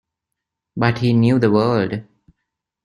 But he knew the world.